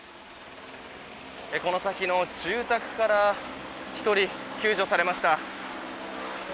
この先の住宅から１人、救助されました。